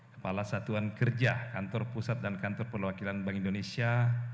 kepala satuan kerja kantor pusat dan kantor perwakilan bank indonesia